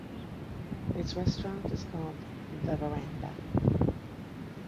Its restaurant is called The Veranda.